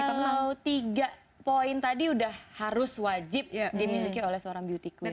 kalau tiga poin tadi udah harus wajib dimiliki oleh seorang beauty queen